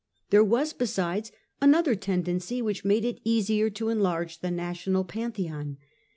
There was, besides, another tendency which made it easier to enlarge the national Pantheon.